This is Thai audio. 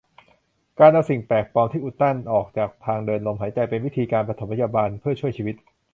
การเอาสิ่งแปลกปลอมที่อุดกั้นออกจากทางเดินลมหายใจเป็นวิธีการปฐมพยาบาลเพื่อช่วยชีวิต